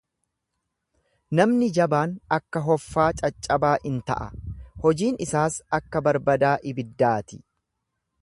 Namni jabaan akka hoffaa caccabaa in ta'a, hojiin isaas akka barbadaa ibiddaa ti.